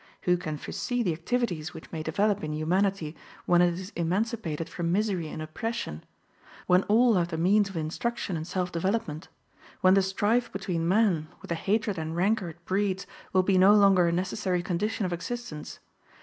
Who can foresee the activities which may develop in humanity when it is emancipated from misery and oppression? When all have the means of instruction and self development? When the strife between men, with the hatred and rancour it breeds, will be no longer a necessary condition of existence?